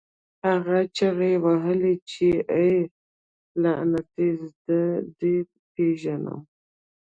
هغه چیغې وهلې چې اې لعنتي زه دې وپېژندلم